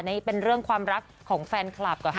นี่เป็นเรื่องความรักของแฟนคลับก่อนค่ะ